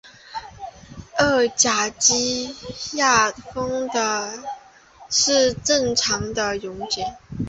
二甲基亚砜是常用的溶剂。